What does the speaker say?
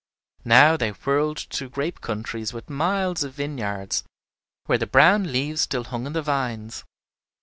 Now they whirled through grape countries with miles of vineyards, where the brown leaves still hung on the vines.